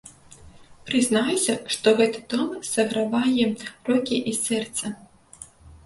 Прызнаюся, што гэты том сагравае рукі і сэрца.